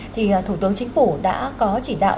thủ tướng chính phủ đã có chỉ đạo